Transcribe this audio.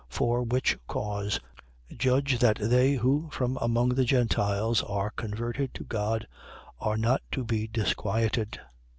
15:19. For which cause, judge that they who from among the Gentiles are converted to God are not to be disquieted: 15:20.